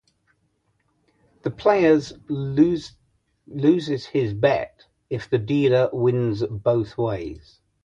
The players loses his bet if the dealer wins both ways.